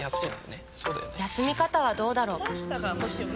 休み方はどうだろう。